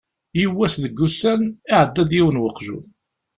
Yiwwas deg wussan, iεedda-d yiwen weqjun.